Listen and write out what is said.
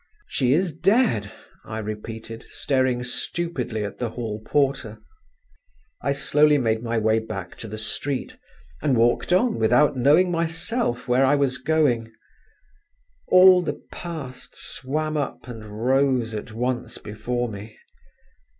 "She is dead!" I repeated, staring stupidly at the hall porter. I slowly made my way back to the street, and walked on without knowing myself where I was going. All the past swam up and rose at once before me.